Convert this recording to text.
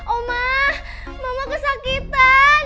oma mama kesakitan